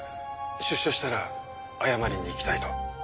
出所したら謝りに行きたいと。